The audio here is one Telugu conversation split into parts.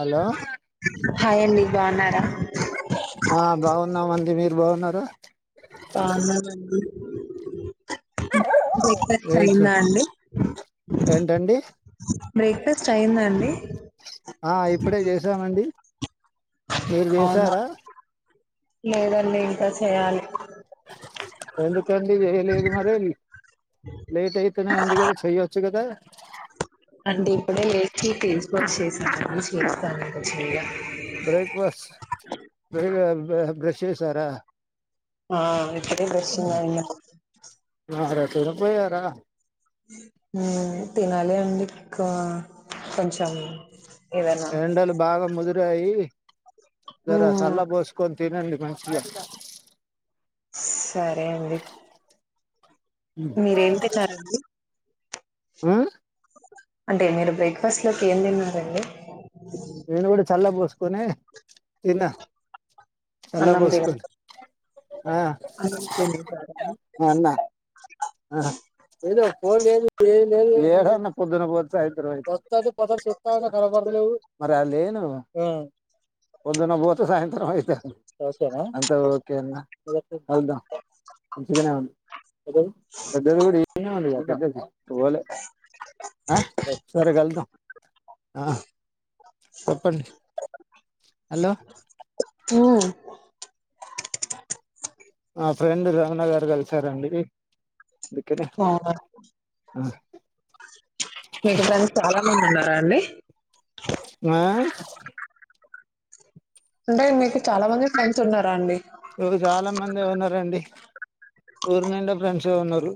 హలో హాయి అండి ఉన్నారా ఆ బాగున్నా మంది మీరు ఎరు బాగున్నారా బాగున్న అండి బ్రేక్ఫాస్ట్ ఏంటి అయిందా అండి ఏంటండి బ్రేక్ఫాస్ స్టైంద అండి ఆ ఇప్పుడే చేసామండి మీరు అవునా చేసారా లేదండి ఇంకా చేయాలి ఎందు కండి చేయలేదు మరి లేట్ అయితేనే ఉంది కదా చెయొచ్చు కదా అంటే ఇప్పుడే లేచి తీస్ కొచ్చి చేశా పని [unintelligible] చేస్తనుంత చెయ్య బ్రేక్ఫాస్ట్ బ్రెస్ట్ చేసారా ఆ అదే బ్రెష్ ఇంగ అయిందన్ తొడ పోయార హామీతినాలి అండి కొంచెం ఏదైనా ఏండల్ బాగా ముదుర్ ఆ యి జర మ్మ్ సల్ల బోస్కో నీ తినండి మంచిదే సరే అండి మీరేం తేచ్చారండి ఆ అంటే మీరు బ్రేక్ఫాస్ట్ లోకి ఏం తిన్నారండీ నేను కూడా చల్ బోస్ కొనీ తిన్న చల్ల అన్నం తిన బోసుకొని ఆ అన్నం తినేసారా అన్నా ఆ ఏదో ఫోన్ లేదు ఏం లేదు ఏడన్న పొద్దున పోత్ సాయంత్రం అయితాద్ తద్ పదర్ సూత్త ఉనా కడపడతా లేవు పొద్దాన పోతే సాయంత్రం అయితాన్ అంత ఓకేన్నా కలుద్దాం మంచిగానే న్ పెద్దది కూడా కూడ ఈడ్ నే ఉంది గా పెద్దది బ హా సరే కలుద్దాం ఆ చెప్పండి హలో హు ఆ ఫ్రెండ్ రమణ గారు కలిసారండి అందుకనే ఆ ఆ మీకు దానికి చాలా మంది ఉన్నారు అండి ఆ అంటే మీకు చాలా మంది ఫ్రెండ్స్ ఉన్నారా అండి ఇవి చాలా మంది ఉన్నారండి ఊరు నిండ ఫ్రెండ్స్ ఏ ఉన్నారు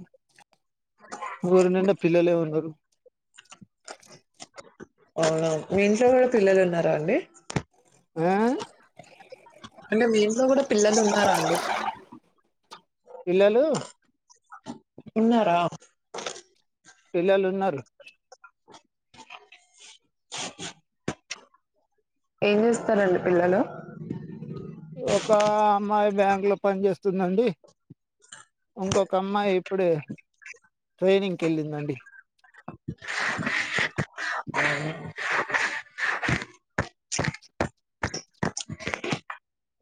ఊరు నిండ పిల్లలే ఉన్నారు అవునా మీ ఇంట్లో కూడా పిల్లలు ఉన్నారా అండి ఉ అంటే మీలో కూడా పిల్లలు ఉన్నారా అండి పిల్లలు ఉన్నారా పిల్లలు ఉన్నారు ఏం చేస్తారండి పిల్లలు ఒక అమ్మాయి బ్యాంక్ లో పనిచేస్తుందండి ఇంకొక అమ్మాయి ఇప్పుడే ట్రయినింగ్ కి వెళ్ళిందండి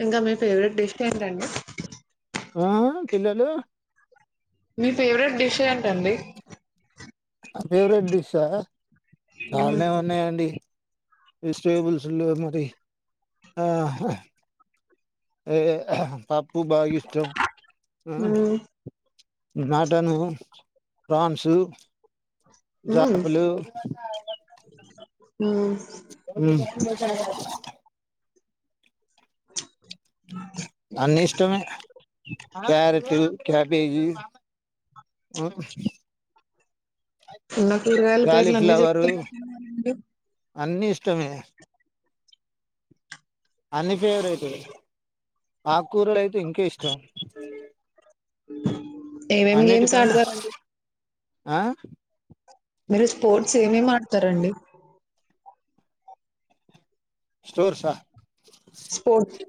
ఇంకా మీ ఫేవరెట్ డిష్ ఏంటండి ఆ పిల్లలు మీ ఫెవరెట్ డిష్ ఏంటండీ ఫేవరెట్ డిష్ ఆ మ్మ్ చాలనే ఉన్నాయండి వెజిటేబుల్స్ లే మరి ఆ ఏ పప్పు బాగా ఇష్టం ఉ మటను ఫ్రాన్సు మ్మ్ జాబులు మ్మ్ హ్మ్ అన్ని ఇష్టమే క్యారట్ క్యాబేజి ఉ నాకు కూరగాయల పేర్లు అన్ని చెప్తున్నారండి అన్ని ఇష్టమే అన్ని ఫేవరైట్ ఆకుకూరలు అయితే ఇంక ఇష్టం ఏవేం గేమ్స్ అన్నిటికన్నా ఆడతారు అండి ఆ మీరు స్పోర్ట్స్ ఏమేమి ఆడతారండి స్టోర్స్ ఆ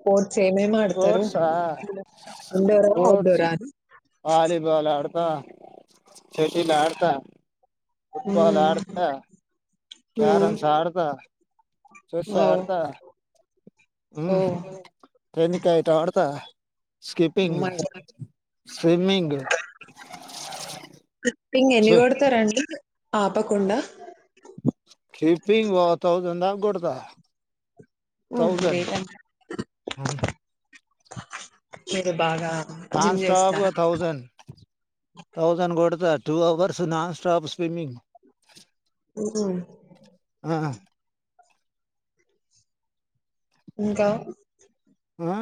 పోల్ చే ఏం ఏం ఆడుతారు స్పోర్ట్సా ఇండోర్ ఆ అవుట్ స్పోర్ట్స్ డోర్ ఆ బ చెటిల్ ఆడుతా ఫుట్బాల్ ఆడుతా క్యారమ్స్ ఆడుతా చెస్ ఓ ఆడుతా ఓ మ్మ్ తేనికాయ తో ఆడుతా స్కిప్పింగ్ మై స్విమింగ్ స్కిప్పింగ్ ఎన్ని కొడతారండి ఆపకుండ గుడుద హ్మ్ గ్రేట్ అన్ లేదు నాన్ స్టాప్ గా థౌజండ్ థౌజండ్ కొడుత two hours non stop swimming ఆ ఆ ఇంకా ఆ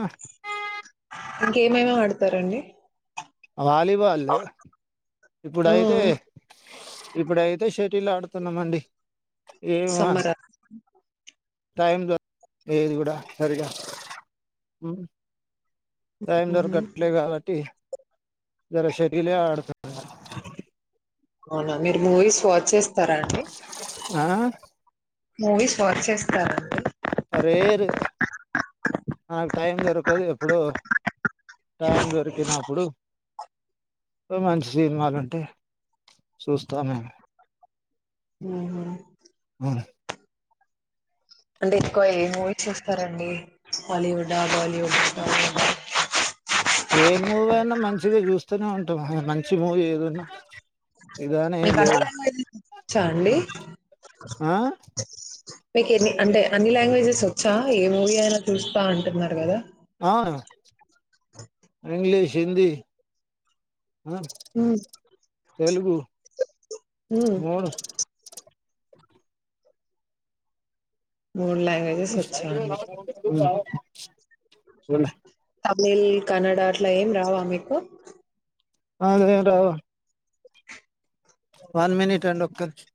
ఇంక ఏమైనా వాడతారండీ ఆ వాలిబాల్ లు ఇప్పుడు ఆ! అయితే ఇప్పుడు అయితే షటిల్ ఆడుతున్నామండి ఏమ సమ్మరా టైం ద ఏది గూడా సరిగా హు టైం ఊహూ దొరకట్లే కాబట్టి ఇయాల షేటిల్ ఏ ఆడుతా అ అవునా మీరు మూవీస్ స్వాట్ చేస్తారా అండి న మూవీస్ వాచ్ చేస్తారండి ఆ రేర్ నాకు టైం దొరకదు ఎప్పుడో టైం దొరికినప్పుడు మంచి సినిమాలు ఉంటే చూస్తా మేము ఉహు పద అంటే ఎక్కువ ఏ మూవీ చూస్తారండి హాలీవుడ్ ఆ బాలీవుడ్ ఏ మూవీ అయినా మంచిగా చూస్తూనే ఉంటాం హ మంచి మూవీ ఏది ఉన్న మీకు [unintelligible] వచ్చా అండి ఆ మీకు ఎన్ని అంటే అన్ని లాంగ్వేజెస్ వచ్చా ఏ మూవీ అయినా చూస్తా అంటున్నారు గదా ఆ ఇంగ్లీష్ హిందీ ఆ ఉమ్ తెలుగు ఉమ్ మూడు మూడు లాంగ్వేజెస్ వచ్చా అండి పోలే తమిళ్, కన్నడ అట్లా ఏం రావా మీకు [unintelligible] రావ్ వన్ మినిట్ అండి ఒక్క నిమ్శం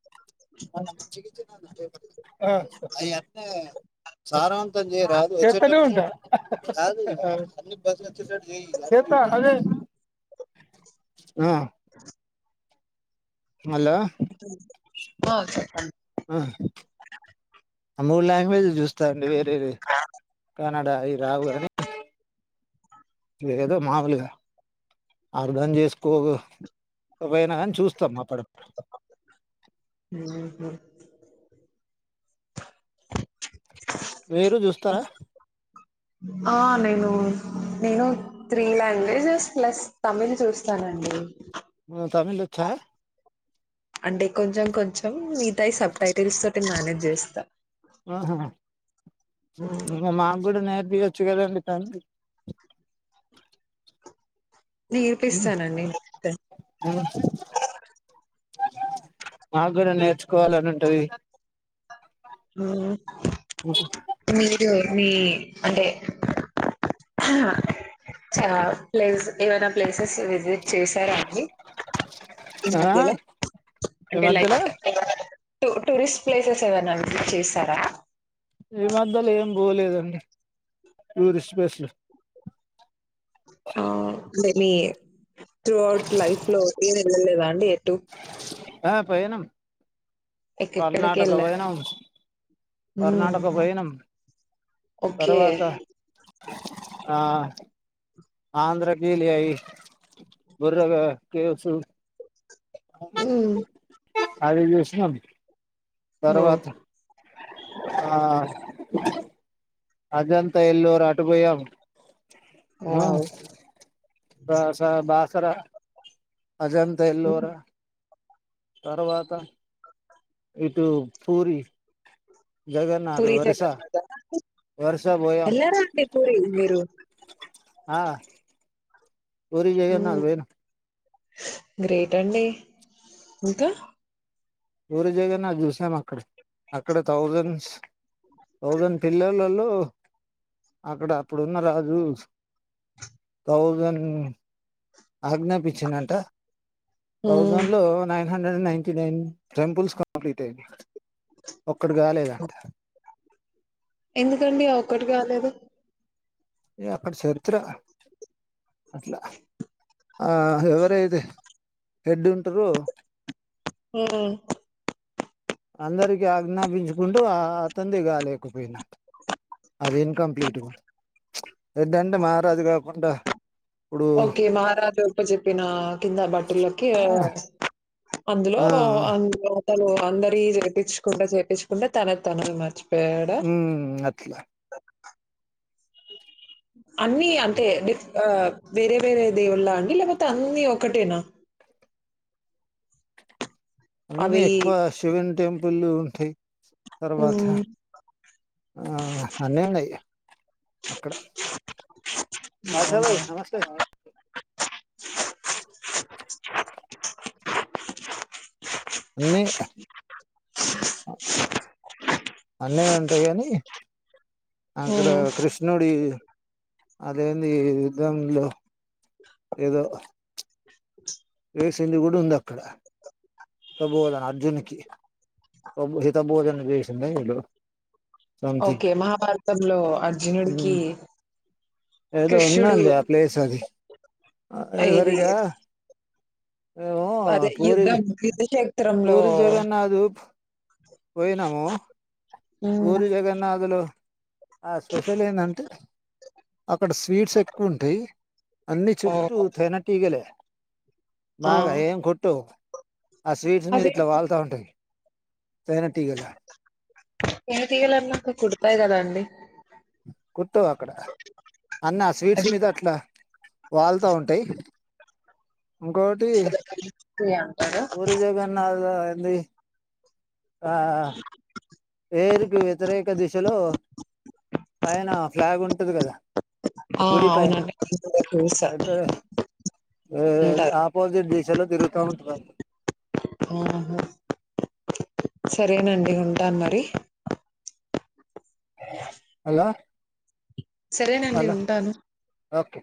మ మంచి అ అవి అంతేగా సారూ అంతం చేయరాదు [inaudible] హలో [inaudible] మూడు లాంగ్వేజ్లు చూస్తా అండి లే కనడ అవి రావు కదా ఏదో మాములుగా అర్థం చేసుకో [unintelligible] చూస్తాం అప్పుడప్పుడు మ్మ్ హ్మ్ మీరు చూస్తారా ఆ నేను నేను త్రీ లాంగ్వేజెస్ ప్లస్ తమిళ్ చూస్తానండి మ్మ్ తమిళ్ వచ్చా అంటే కొంచెం కొంచెం మిగతావి సబ్ టైటిల్స్ తోటి మేనేజ్ చేస్తా ఆహా మాక్ కూడా నేర్పియ వచ్చు కదండి తమిళ్ నేర్పిస్తానండి మాక్కూడా నేర్చుకోవాలని ఉంటది ఆ మీ అంటే చా ప్లేస్ ఏవైనా ప్లేసెస్ విజిట్ చేశారా అండి ఈ ఆ మధ్యలో ఈ అంటే లైక్ మధ్యలో టూ టూరిస్ట్ ప్లేసెస్ ఏవైనా అండి చేసారా ఈ మధ్యలో ఏం పోలేదండి టూరిస్ట్ ప్లేసులు ఆ అంటే మీ త్రూ అవుట్ లైఫ్ లో ఏమి వెళ్ళలేదా అండి టూ ఆ పోయినం ఎక్కడికి కర్ణాటక వెళ్ళారు పోయినం మ్మ్. కర్ణాటక పోయినం ఓకే తర్వాత ఆ ఆంధ్రకీ లేయాయి గుర్రగా కేసూ మ్ అది జుసినం ఓ తర్వాత ఆ అదంతా ఎల్లోర్ అటు పోయామ్ ఆ వావ్ బ స బాస్ సరా అజంత మ్మ్. ఎల్లోరా తర్వాత ఇటూ పూరి జగన్నాథ్ పూరీ వరుస జగన్నాథ్ ఆ వరుస పోయాం యెల్రారా అండి పూరి మీరు ఆ పూరి జగన్నాథ్ మ్మ్. పోయినం గ్రేట్ అండీ ఇంక పూరి జగన్నాథ్ చూసాం అక్కడ అక్కడ థౌజండ్స్ థౌజన్ పిల్లలలో అక్కడ అప్పుడున్న రాజూ థౌజన్ ఆజ్ఞాపించిందంట ఉమ్ థౌజండ్ లో nine hundred ninety nine temples complete అయ్ ఒక్కడుగాలేదంట ఎందుకండి ఆ ఒక్కటి కాలేదు ఏ అక్కడ్ చర్త్ర అట్ల ఆ ఎవరేది ఎడ్డుంటుర్రూ మ్ అందరికి ఆజ్ఞాపించుకుంటూ ఆ అతంది కాలేకపోయినా అది ఇన్కంప్లీట్ ఎడ్డంటె మారాదుగా డ్డా ఓకే మహారాజప్ప చెప్పినా కింద బటులకి ఆ అందులో ఆ అందులో అతలు అందరి పిచుకుండా చేపించకుడా తన తనం మర్చ్ ఉమ్ అట్ల అన్నీ అంటే డిఫ్ ఆ వేరే వేరే దేవుళ్ళ అండి లేక్పోతే అన్నీ ఒకటేనా అన్నీ అవి ఎక్కువ శివున్ టెంపుల్లు హే తర్వాత హ్మ్. ఆ అన్నే ఉన్నయ్ అక్కడ అవునా? ఆశాభయి నమస్తే అన్నీ అన్నీ ఉంటయి కనీ అక్కడా హ్మ్. కృష్ణుడి అదేంది ఈ యుద్ధంలో ఏదో రేసింది గుడుందక్కడ హితబోధన అర్జున్కి హితభోధన చేసిలా వీళ్ళు ఓకే మహాభారతంలో అర్జునుడికి ఏదో కృష్ణుడు ఉందండి ఆ ఏ ఏది సరిగా అదే యుద్ధం యు ఊరి జగన్నాథ్ పోయినము హ్మ్. ఊరి జగన్నాథులో లో ఆ స్పెషల్ ఏందంటే అక్కడ స్వీట్స్ ఎక్కు ఉంటయి అన్ని చుట్టూ ఓహ్! తేనెటీగలే బాగా ఆ! ఏం కుట్టు ఆ స్వీట్స్ మీద ఇట్ల అదేంటి వాళ్తా ఉంటయి తేనె తీగలన్నాక కుడతయి కదా అం డి కుట్టవు అక్కడ అన్నా స్వీట్స్ అది మీద అట్ల వాల్తా ఉంటయి ఇంకోటి అది అంటారా పూరి జగన్ధ ది ఆ వేరుకి వ్యతిరేక దిశలో పైన ఫ్లాగ్ ఉంటది కదా ఆ గుడి పైన అవునండి నేను కూడా చూసా అయితే అంటారు ఆపోజిట్ దిశలో తిరుగుతావు ఇ ఆ సరేనండి ఉంటాను మరి హలో సరేనండి హలో ఉంటాను ఓకే